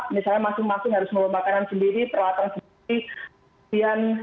misalnya masing masing harus membeli makanan sendiri perlatang sendiri